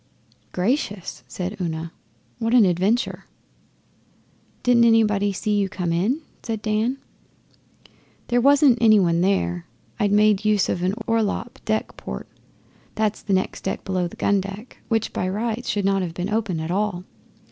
'Gracious!' said Una. 'What an adventure!' 'Didn't anybody see you come in?' said Dan. 'There wasn't any one there. I'd made use of an orlop deck port that's the next deck below the gun deck, which by rights should not have been open at all.